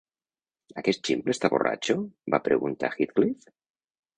"Aquest ximple està borratxo?", va preguntar Heathcliff.